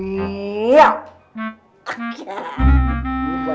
ini juga tuh loh